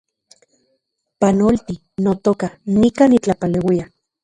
Panolti, notoka, nikan nitlapaleuia